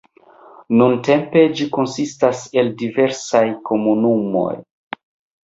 Nuntempe ĝi konsistas el diversaj komunumoj.